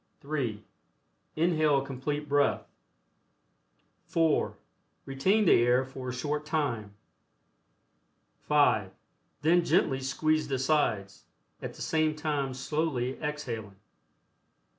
(3) Inhale a Complete Breath. (4) Retain the air for a short time. (5) Then gently squeeze the sides, at the same time slowly exhaling.